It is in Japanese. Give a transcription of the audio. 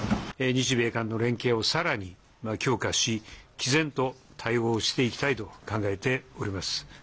日米韓の連携をさらに強化しきぜんと対応していきたいと考えております。